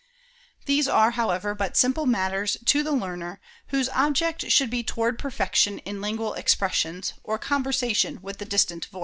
[These are, however, but simple matters to the learner, whose object should be toward perfection in lingual expressions, or conversation with the "distant voice."